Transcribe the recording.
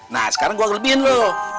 nah sekarang gue ngelebihan lu